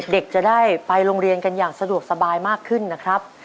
เด็กจะได้ไปโรงเรียนกันอย่างสะดวกสบายมากขึ้นนะครับ